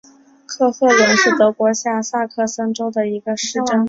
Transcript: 克赫伦是德国下萨克森州的一个市镇。